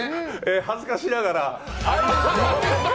恥ずかしながら。